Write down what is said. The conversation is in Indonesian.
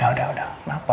udah udah kenapa